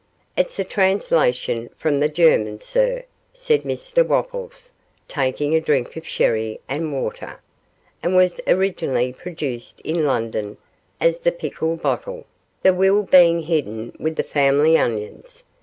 'It's a translation from the German, sir,' said Mr Wopples, taking a drink of sherry and water, 'and was originally produced in London as "The Pickle Bottle", the will being hidden with the family onions.